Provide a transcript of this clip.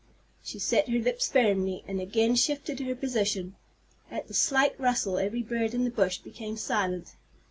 She set her lips firmly, and again shifted her position. At the slight rustle every bird in the bush became silent.